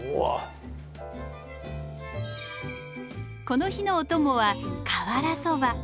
この日のお供は瓦そば。